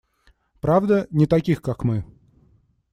Правда, не таких как мы.